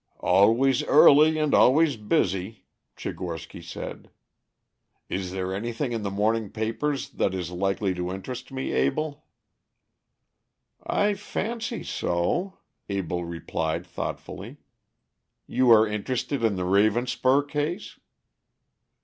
"Always early and always busy," Tchigorsky said. "Is there anything in the morning papers that is likely to interest me, Abell?" "I fancy so," Abell replied thoughtfully. "You are interested in the Ravenspur case?"